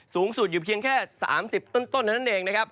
สูงสุดอยู่เพียงแค่๓๐ต้นเนี่ยนั่นเอง